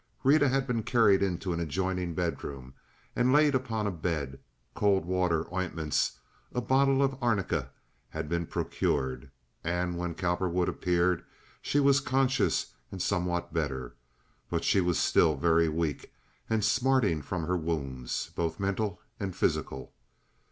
Rita had been carried into an adjoining bedroom and laid upon a bed; cold water, ointments, a bottle of arnica had been procured; and when Cowperwood appeared she was conscious and somewhat better. But she was still very weak and smarting from her wounds, both mental and physical.